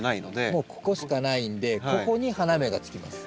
もうここしかないんでここに花芽がつきます。